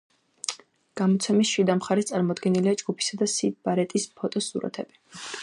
გამოცემის შიდა მხარეს წარმოდგენილია ჯგუფისა და სიდ ბარეტის ფოტოსურათები.